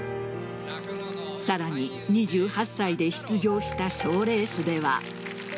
さらに２８歳で出場した賞レースでは。